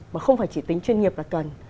mà không phải chỉ tính chuyên nghiệp là cần